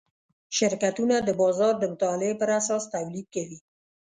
شرکتونه د بازار د مطالعې پراساس تولید کوي.